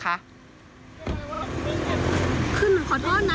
คือหนูขอโทษนะ